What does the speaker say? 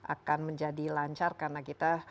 akan menjadi lancar karena kita